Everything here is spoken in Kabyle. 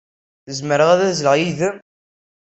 Zemreɣ ad azzleɣ yid-m?